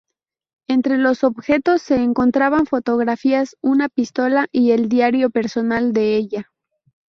Entre los objetos se encontraban fotografías, una pistola y el diario personal de ella.